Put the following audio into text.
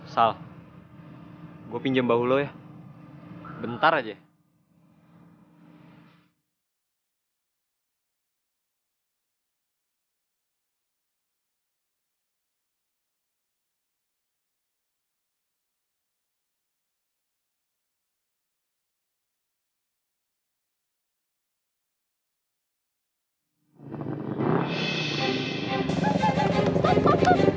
sal gue pinjem bahu lo ya bentar aja ya